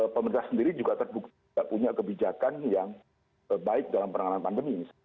pemerintah sendiri juga terbukti tidak punya kebijakan yang baik dalam penanganan pandemi